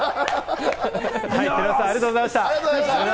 寺内さん、ありがとうございました。